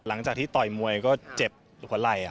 หลังจากที่ต่อยมวยก็เจ็บหลัวไหล่